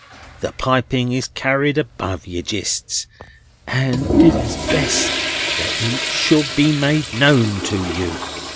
The piping is carried above your jistes, and it is best that it should be made known to you."